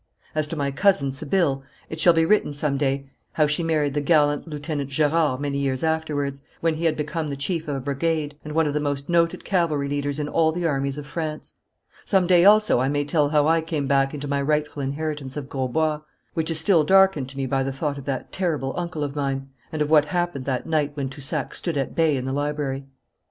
As to my cousin Sibylle, it shall be written some day how she married the gallant Lieutenant Gerard many years afterwards, when he had become the chief of a brigade, and one of the most noted cavalry leaders in all the armies of France. Some day also I may tell how I came back into my rightful inheritance of Grosbois, which is still darkened to me by the thought of that terrible uncle of mine, and of what happened that night when Toussac stood at bay in the library.